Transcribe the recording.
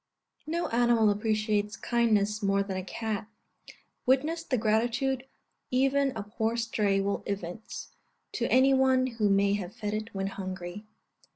No animal appreciates kindness more than a cat. Witness the gratitude even a poor stray will evince, to any one who may have fed it when hungry.